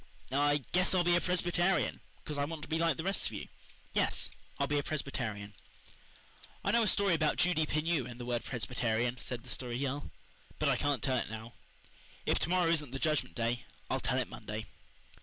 I guess I'll be a Presbyterian, 'cause I want to be like the rest of you. Yes, I'll be a Presbyterian." "I know a story about Judy Pineau and the word Presbyterian," said the Story Girl, "but I can't tell it now. If to morrow isn't the Judgment Day I'll tell it Monday."